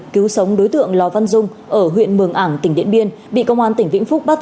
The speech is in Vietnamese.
cứu sống đối tượng lò văn dung ở huyện mường ảng tỉnh điện biên bị công an tỉnh vĩnh phúc bắt